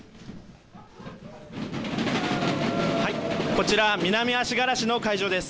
こちら南足柄市の会場です。